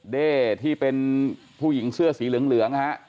เด้ที่เป็นผู้หญิงเสื้อสีเหลืองนะฮะ